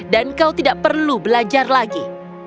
dan kau tidak perlu belajar lagi